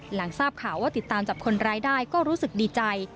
หลังทราบข่าวว่าติดตามจับคนร้ายได้ก็รู้สึกดีใจ